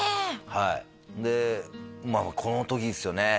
はいでこの時ですよね